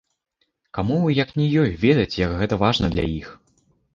Каму, як не ёй, ведаць, як гэта важна для іх.